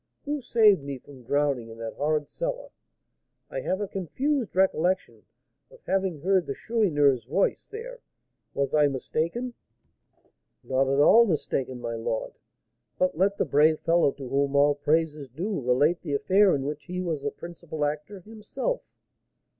"Who saved me from drowning in that horrid cellar? I have a confused recollection of having heard the Chourineur's voice there; was I mistaken?" "Not at all mistaken, my lord. But let the brave fellow, to whom all praise is due, relate the affair in which he was the principal actor himself."